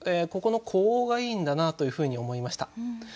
ここの呼応がいいんだなというふうに思いました。